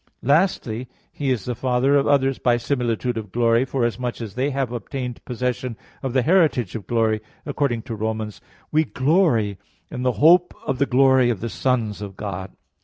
Lastly, He is the Father of others by similitude of glory, forasmuch as they have obtained possession of the heritage of glory, according to Rom. 5:2: "We glory in the hope of the glory of the sons of God."